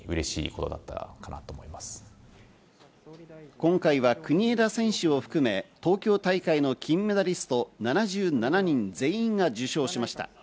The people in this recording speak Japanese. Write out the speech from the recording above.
今回は国枝選手を含め、東京大会の金メダリスト７７人全員が受章しました。